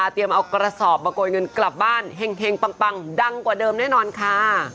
เอากระสอบมาโกยเงินกลับบ้านแห่งปังดังกว่าเดิมแน่นอนค่ะ